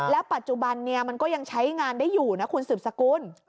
ปัจจุบันนี้มันก็ยังใช้งานได้อยู่นะคุณสืบสกุล